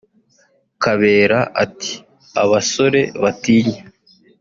Kabera ati “Abasore batinya